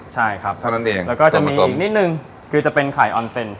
ใช่ครับเท่านั้นเองแล้วก็จะมีอีกนิดนึงคือจะเป็นไข่ออนเซ็น